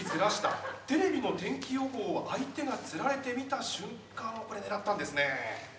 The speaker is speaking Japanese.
テレビの天気予報を相手がつられて見た瞬間をこれ狙ったんですね。